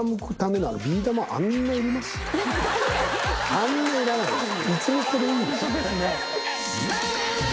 あんないらないよ。））